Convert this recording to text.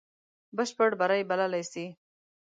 بشپړ بری بللای سي.